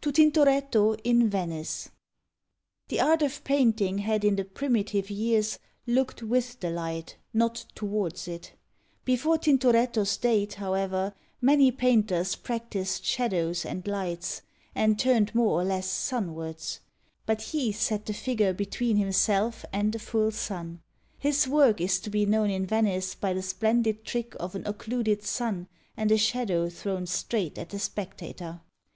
TO TINTORETTO IN VENICE The Art of Painting had in the Primitive years looked with the light, not towards it. Before Tintoretto's date, however, many painters practised shadows and lights, and turned more or less sunwards; but he set the figure between himself and a full sun. His work is to be known in Venice by the splendid trick of an occluded sun and a shadow thrown straight at the spectator.